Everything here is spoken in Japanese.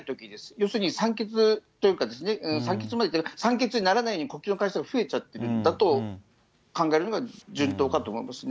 要するに酸欠というか、酸欠までいってないけど、酸欠にならないように呼吸の回数が増えちゃってるんだと考えるのが順当かと思いますね。